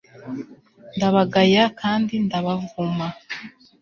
ndabagaya kandi ndabavuma